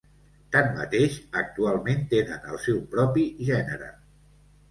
Tanmateix, actualment tenen el seu propi gènere.